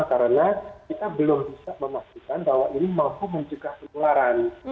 karena kita belum bisa memastikan bahwa ini mampu menjaga penularan